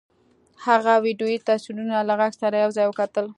هغه ویډیويي تصویرونه له غږ سره یو ځای وکتل